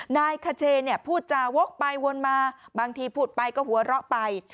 นายคเชนพูดจาวกไปวนมาบางทีพูดไปก็หัวเราะไป